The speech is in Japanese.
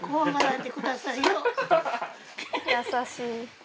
優しい。